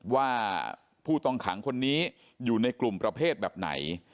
ว่าผู้ต้องขังคนนี้อยู่ในกลุ่มประเภทแบบไหน